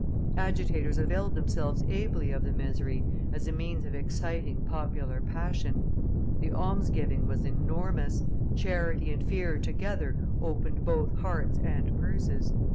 Agitators availed themselves ably of the misery as a means of exciting popular passion. The alms giving was enormous, charity and fear together opened both hearts and purses.